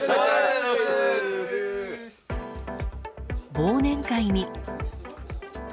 忘年会に。